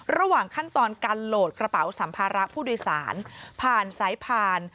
ระหว่างขั้นตอนการโหลดกระเป๋าสัมภาระผู้โดยสารผ่านสายผ่าน